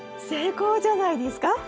成功じゃないですか？